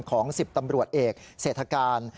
ของ๑๐ตำรวจเอกเศรษฐการ